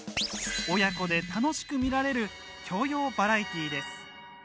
親子で楽しく見られる教養バラエティーです。